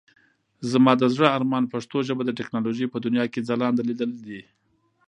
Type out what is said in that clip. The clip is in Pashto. زما د زړه ارمان پښتو ژبه د ټکنالوژۍ په دنيا کې ځلانده ليدل دي.